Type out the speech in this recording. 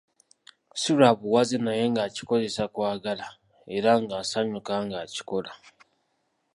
Si lwa buwaze naye ng'akikozesa kwagala era nga asanyuka ng'akikola.